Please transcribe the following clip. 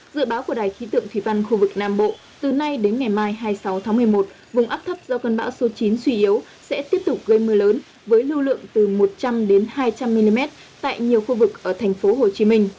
dự báo của đài khí tượng thủy văn khu vực nam bộ từ nay đến ngày mai hai mươi sáu tháng một mươi một vùng áp thấp do cơn bão số chín suy yếu sẽ tiếp tục gây mưa lớn với lưu lượng từ một trăm linh đến hai trăm linh mm tại nhiều khu vực ở thành phố hồ chí minh